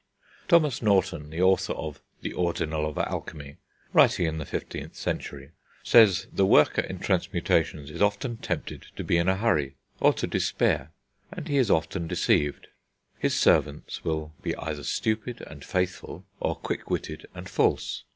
Thomas Norton, the author of The Ordinal of Alchemy, writing in the 15th century, says the worker in transmutations is often tempted to be in a hurry, or to despair, and he is often deceived. His servants will be either stupid and faithful, or quick witted and false.